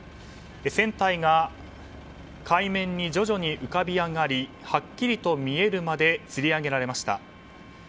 船体が海面に徐々に浮かび上がりはっきりと見えるまでつり上げられました。